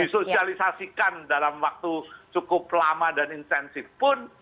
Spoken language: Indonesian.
disosialisasikan dalam waktu cukup lama dan intensif pun